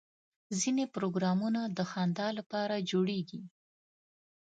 ځینې پروګرامونه د خندا لپاره جوړېږي.